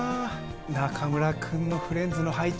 中村くんのフレンズの配置